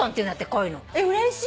うれしい！